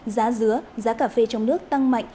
giá dứa giá cà phê trong nước tăng mạnh